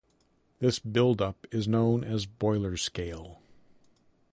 This build-up is known as boiler scale.